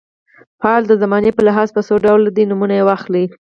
فعل د زمانې په لحاظ په څو ډوله دی نومونه واخلئ.